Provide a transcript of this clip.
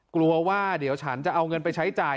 กลัวว่าเดี๋ยวฉันจะเอาเงินไปใช้จ่าย